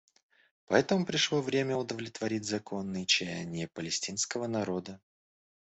Поэтому пришло время удовлетворить законные чаяния палестинского народа.